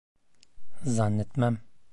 Zannetmem.